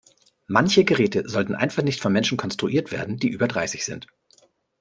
Manche Geräte sollten einfach nicht von Menschen konstruiert werden, die über dreißig sind.